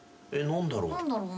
何だろうね？